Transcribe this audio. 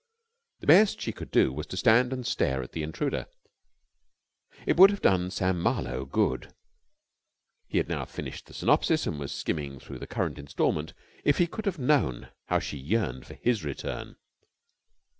The best she could do was to stand and stare at the intruder. It would have done Sam Marlowe good he had now finished the synopsis and was skimming through the current instalment if he could have known how she yearned for his return.